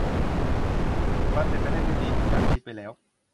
มันเป็นไปได้ด้วยดี ทุกอย่างคิดไว้แล้ว